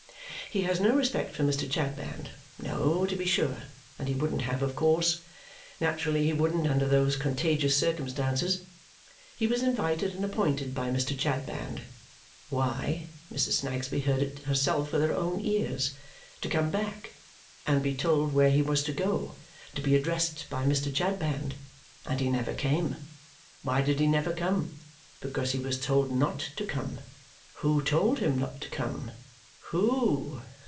He has no respect for Mr. Chadband. No, to be sure, and he wouldn't have, of course. Naturally he wouldn't, under those contagious circumstances. He was invited and appointed by Mr. Chadband why, Mrs. Snagsby heard it herself with her own ears! to come back, and be told where he was to go, to be addressed by Mr. Chadband; and he never came! Why did he never come? Because he was told not to come. Who told him not to come? Who?